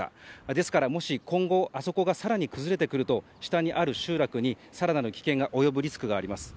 ですからもし今後あそこが更に崩れてくると下にある集落に更なる危険が及ぶリスクがあります。